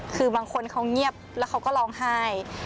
คือบางคนเขาเงียบแล้วเขาก็ร้องไห้